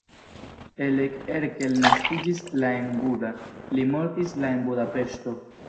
Elek Erkel naskiĝis la en Buda, li mortis la en Budapeŝto.